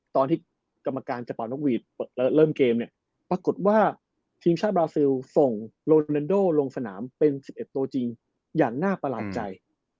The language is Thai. ตอนที่กรรมการจะเป่านกหวีดเริ่มเกมเนี่ยปรากฏว่าทีมชาติบราซิลส่งโรเลันโดลงสนามเป็น๑๑ตัวจริงอย่างน่าประหลาดใจ